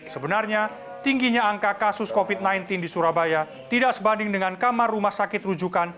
sebenarnya tingginya angka kasus covid sembilan belas di surabaya tidak sebanding dengan kamar rumah sakit rujukan